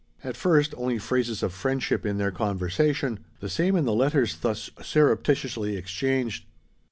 At first, only phrases of friendship in their conversation; the same in the letters thus surreptitiously exchanged.